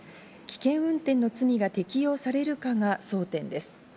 危険運転の罪が適用されるかが争点です。